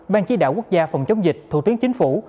ban chí đạo quốc gia phòng chống dịch thủ tiến chính phủ